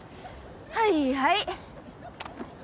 はいはい。